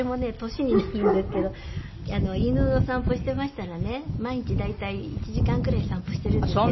年になるんですけど犬の散歩をしてましたらね毎日大体１時間くらい散歩してるんですけど。